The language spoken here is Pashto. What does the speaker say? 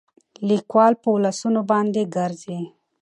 ليکوال په ولسونو باندې ګرځي